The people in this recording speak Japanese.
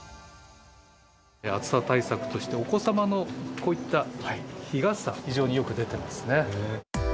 暑さ対策として、お子様のこういった日傘、非常によく出てますね。